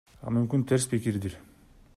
А мүмкүн терс пикирдир?